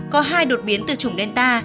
có hai đột biến từ chủng delta